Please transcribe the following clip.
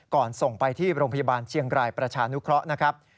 ส่งไปที่โรงพยาบาลเชียงรายประชานุเคราะห์นะครับ